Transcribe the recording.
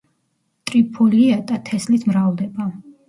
ტრიფოლიატა თესლით მრავლდება.